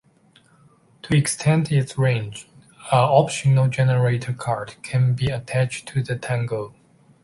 To extend its range, an optional generator cart can be attached to the Tango.